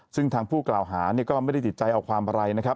ซึ่งทางผู้กล่าวหาก็ไม่ได้ติดใจเอาความอะไรนะครับ